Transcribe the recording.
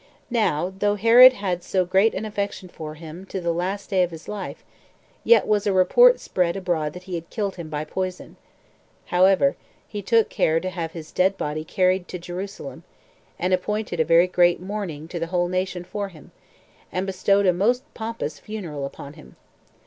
Now though Herod had so great an affection for him to the last day of his life, yet was a report spread abroad that he had killed him by poison. However, he took care to have his dead body carried to Jerusalem, and appointed a very great mourning to the whole nation for him, and bestowed a most pompous funeral upon him.